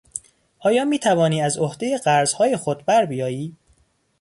آیا میتوانی از عهدهی قرضهای خود بربیایی؟